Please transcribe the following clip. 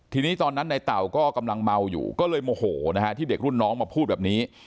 ทีนี้ตอนนั้นในเต่าก็กำลังเมาอยู่ก็เลยโมโหนะฮะที่เด็กรุ่นน้องมาพูดแบบนี้